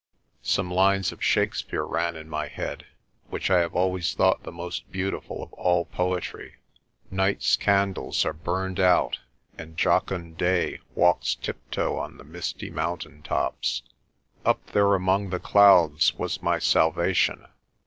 Some lines of Shakespeare ran in my head, which I have always thought the most beau tiful of all poetry. 176 PRESTER JOHN "Night's candles are burned out, and jocund day Walks tiptoe on the mistry mountain tops." Up there among the clouds was my salvation.